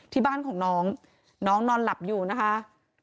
ที่บ้านของน้องน้องนอนหลับอยู่นะคะ